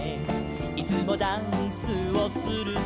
「いつもダンスをするのは」